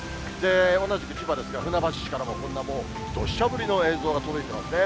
同じく千葉ですが、船橋市からも、こんなもう、どしゃ降りの映像が届いてますね。